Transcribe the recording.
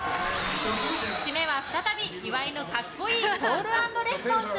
締めは再び岩井の格好いいコール＆レスポンス。